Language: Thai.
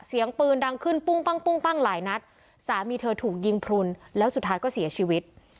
เสียงปืนดังขึ้นปุ้งปั้งปุ้งปั้งหลายนัดสามีเธอถูกยิงพลุนแล้วสุดท้ายก็เสียชีวิต